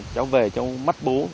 cháu về cháu mắc bố